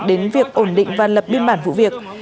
đến việc ổn định và lập biên bản vụ việc